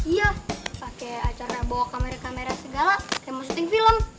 iya pakai acara bawa kamera kamera segala kayak mau syuting film